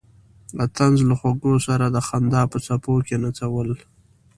د طنز له خوږو سره د خندا په څپو کې نڅول.